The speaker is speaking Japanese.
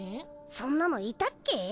そんなのいたっけ？